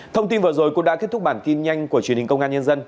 thông tin vừa rồi cũng đã kết thúc bản tin nhanh của truyền hình công an nhân dân